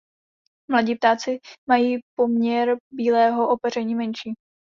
Mladí ptáci mají poměr bílého opeření menší.